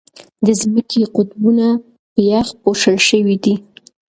د ځمکې قطبونه په یخ پوښل شوي دي.